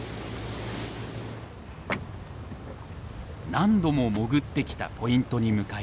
何度も潜ってきたポイントに向かいます。